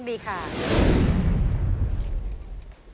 ครับมีแฟนเขาเรียกร้อง